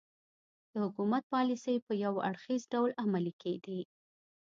د حکومت پالیسۍ په یو اړخیز ډول عملي کېدې.